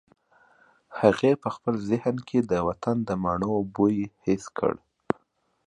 هغې په خپل ذهن کې د وطن د مڼو بوی حس کړ.